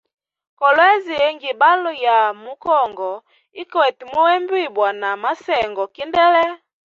Kolwezi ngibalo ya mu kongo, ikwete muhembibwa na masengo kindele.